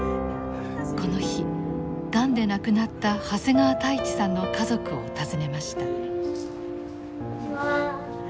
この日がんで亡くなった長谷川太一さんの家族を訪ねました。